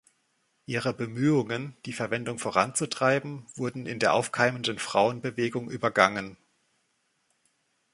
Ihre Bemühungen, die Verwendung voranzutreiben, wurden in der aufkeimenden Frauenbewegung übergangen.